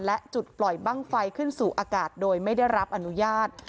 และจุดปล่อยบ้างไฟขึ้นสู่อากาศโดยไม่ได้รับอนุญาต